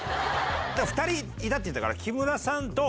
２人いたって言ったから木村さんと。